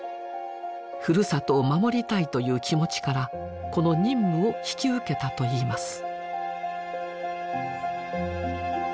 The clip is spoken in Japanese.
「ふるさとを守りたい」という気持ちからこの任務を引き受けたといいます。